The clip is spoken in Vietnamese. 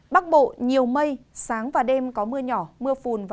bắc bộ nhiều mây sáng và đêm có mưa nhỏ mưa phùn